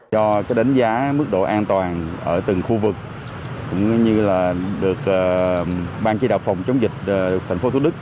do đánh giá mức độ an toàn ở từng khu vực cũng như được ban chỉ đạo phòng chống dịch tp hcm